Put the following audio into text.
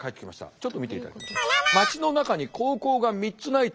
ちょっと見ていただきます。